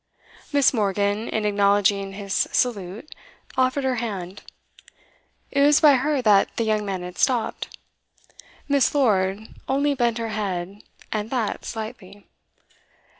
Miss. Morgan, in acknowledging his salute, offered her hand; it was by her that the young man had stopped. Miss. Lord only bent her head, and that slightly.